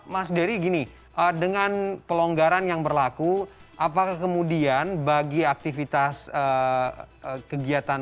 mas dery gini dengan pelonggaran yang berlaku apakah kemudian bagi aktivitas kegiatan